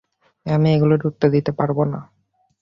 আমি এগুলোর উত্তর দিতে পারব না।